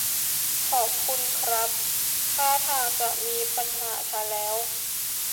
ขอบคุณครับ ท่าทางจะมีปัญหาซะแล้ว